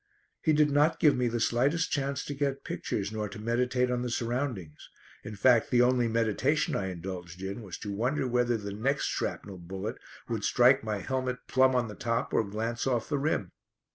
He did not give me the slightest chance to get pictures, nor to meditate on the surroundings; in fact the only meditation I indulged in was to wonder whether the next shrapnel bullet would strike my helmet plumb on the top or glance off the rim.